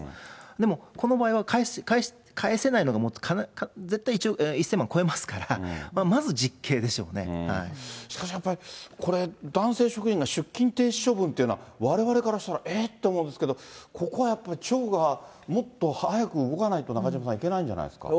でも、この場合は返せないのが、絶対１０００万超えますから、ましかしやっぱりこれ、男性職員が出勤停止処分っていうのはわれわれからしたら、えっ？と思うんですけど、ここはやっぱり町がもっと早く動かないと、中島さん、いけないんじゃないですか？